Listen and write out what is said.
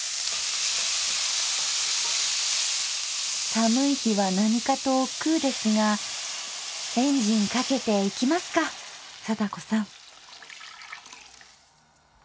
寒い日は何かとおっくうですがエンジンかけていきますか貞子さん？